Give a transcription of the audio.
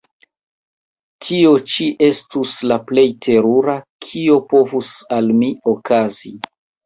tio ĉi estus la plej terura, kio povus al mi okazi.